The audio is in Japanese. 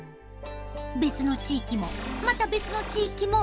別の地域もまた別の地域も。